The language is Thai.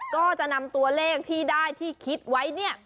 ก็จะนำตัวเลขที่ได้ที่คิดไว้เนี่ย